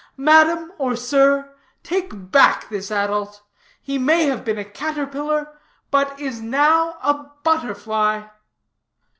Madam, or sir, take back this adult; he may have been a caterpillar, but is now a butterfly."